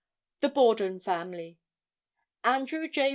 The Borden Family. Andrew J.